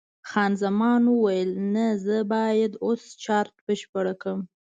خان زمان وویل: نه، زه باید اوس چارټ بشپړ کړم.